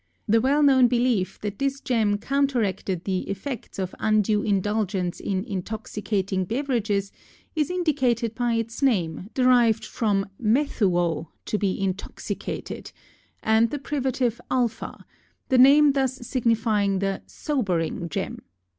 The well known belief that this gem counteracted the effects of undue indulgence in intoxicating beverages is indicated by its name, derived from μεθύω—"to be intoxicated," and the privative α, the name thus signifying the "sobering" gem.